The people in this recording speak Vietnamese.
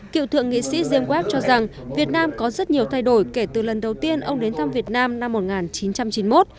cựu thượng nghị sĩ jemwak cho rằng việt nam có rất nhiều thay đổi kể từ lần đầu tiên ông đến thăm việt nam năm một nghìn chín trăm chín mươi một